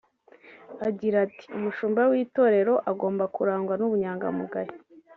Agira ati “Umushumba w’itorero agomba kurangwa n’ubunyangamugayo